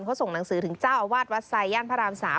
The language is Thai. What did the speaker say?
เขาส่งหนังสือถึงเจ้าอาวาสวัดไซย่านพระราม๓